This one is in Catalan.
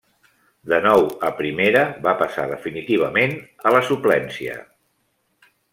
De nou a Primera, va passar definitivament a la suplència.